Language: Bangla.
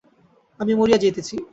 আমি মরিয়া যাইতেছি।